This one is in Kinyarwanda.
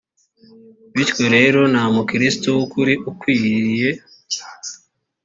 bityo rero nta mukristo w ukuri ukwiriye